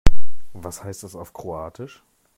Was heißt das auf Kroatisch?